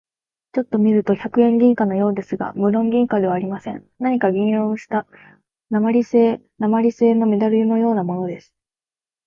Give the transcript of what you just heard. ちょっと見ると百円銀貨のようですが、むろん銀貨ではありません。何か銀色をした鉛製なまりせいのメダルのようなものです。